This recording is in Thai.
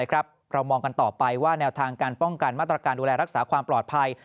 เรามองกันต่อไปว่าแนวทางการป้องกันมาตรการดูแลรักษาความปลอดภัย